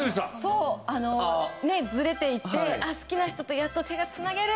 ずれていって好きな人とやっと手が繋げる！